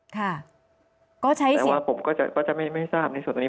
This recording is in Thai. แต่ว่าผมก็จะไม่ทราบในส่วนนี้